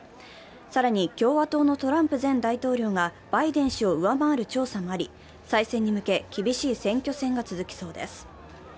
更に共和党のトランプ前大統領がバイデン氏を上回る調査もあり、再選に向け、厳しい選挙戦が続きそうです。